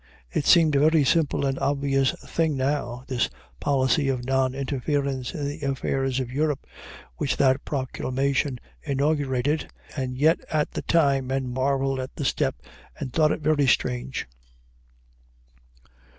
It seems a very simple and obvious thing now, this policy of non interference in the affairs of Europe which that proclamation inaugurated, and yet at the time men marveled at the step, and thought it very strange.